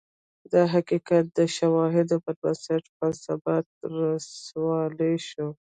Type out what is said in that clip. دا حقیقت د شواهدو پر بنسټ په اثبات رسولای شو